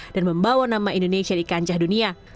dan membawa nama indonesia di kancah dunia